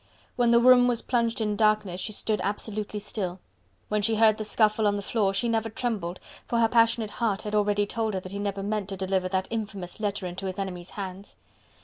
When the room was plunged in darkness she stood absolutely still; when she heard the scuffle on the floor she never trembled, for her passionate heart had already told her that he never meant to deliver that infamous letter into his enemies' hands.